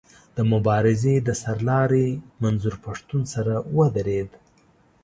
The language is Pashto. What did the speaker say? د مبارزې د سر لاري منظور پښتون سره ودرېد.